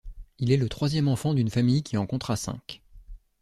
Il est le troisième enfant d’une famille qui en comptera cinq.